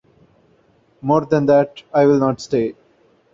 More than that, I will not say.